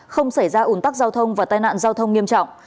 không xảy ra ủn tắc giao thông và tai nạn giao thông nghiêm trọng